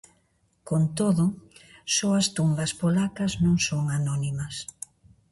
Con todo, só as tumbas polacas non son anónimas.